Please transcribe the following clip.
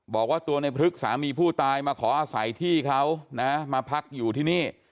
บอกว่าตัวในพลึกสามีผู้ตายมาขออาศัยที่เขานะมาพักอยู่ที่นี่